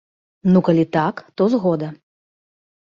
Ну, калі так, то згода!